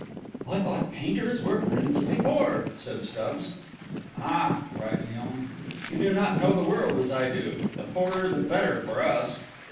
"I thought painters were principally poor," said Stubbs. "Ah!" cried Léon, "you do not know the world as I do. The poorer the better for us!"